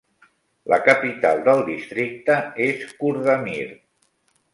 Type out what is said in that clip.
La capital del districte és Kurdamir.